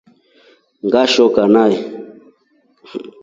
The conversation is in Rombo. Ngashoka nai.